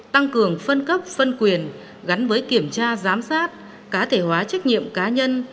tăng cường phân cấp phân quyền gắn với kiểm tra giám sát cá thể hóa trách nhiệm cá nhân